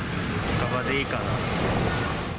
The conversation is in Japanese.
近場でいいかなって。